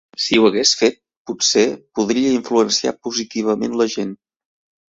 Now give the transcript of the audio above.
Si ho hagués fet potser podria influenciar positivament la gent.